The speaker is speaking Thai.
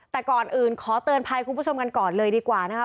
แต่ก่อนอื่นขอเตือนภัยคุณผู้ชมกันก่อนเลยดีกว่านะคะ